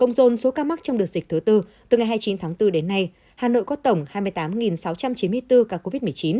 dồn số ca mắc trong đợt dịch thứ tư từ ngày hai mươi chín tháng bốn đến nay hà nội có tổng hai mươi tám sáu trăm chín mươi bốn ca covid một mươi chín